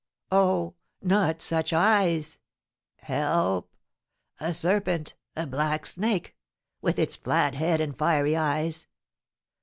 Oh! Not such eyes! Help! A serpent a black snake with its flat head and fiery eyes.